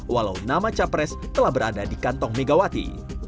walau nama capres telah berada di kantong megawati